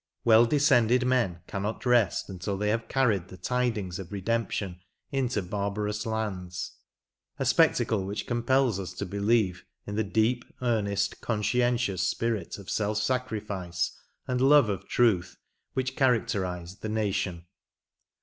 Well descended men cannot rest until they have carried the tidings of redemption into barbarous lands, a spectacle which compels us to believe in the deep, earnest, conscientious spirit of self sacrifice and love of truth which characterised the naXion.'